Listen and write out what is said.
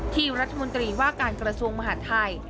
ที่รัฐมนตรีว่าการกระทรวงมหาดไทย